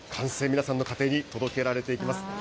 皆さんの家庭に届けられていきます。